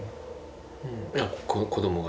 子どもが？